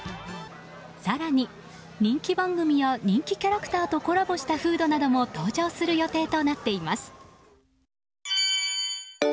更に、人気番組や人気キャラクターとコラボしたフードなども登場する予定となっています。